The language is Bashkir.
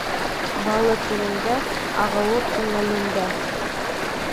Балы телендә, ағыуы күңелендә.